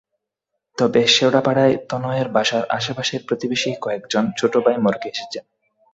তবে শেওড়াপাড়ায় তনয়ের বাসার আশপাশের প্রতিবেশী কয়েকজন ছোট ভাই মর্গে এসেছেন।